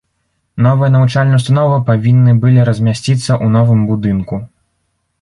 Новая навучальная ўстанова павінны былі размясціцца ў новым будынку.